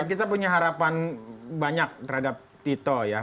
kita punya harapan banyak terhadap tito ya